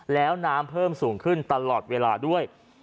แล้วน้ำเพิ่มสูงขึ้นตลอดเวลาด้วย